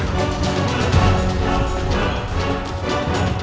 masih kuat pak